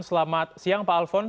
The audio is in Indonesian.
selamat siang pak alphonse